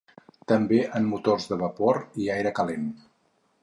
També en motors de vapor i aire calent.